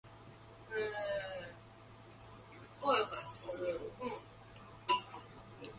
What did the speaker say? Despite this, very few of his songs have Christian overtones.